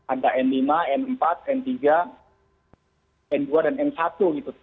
ada n lima n empat n tiga n dua dan n satu gitu